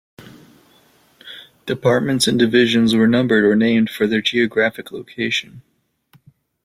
Departments and divisions were numbered or named for their geographic location.